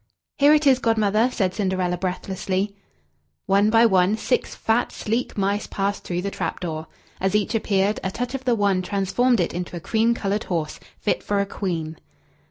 "Here it is, Godmother," said Cinderella breathlessly. One by one six fat sleek mice passed through the trap door. As each appeared, a touch of the wand transformed it into a cream colored horse, fit for a queen.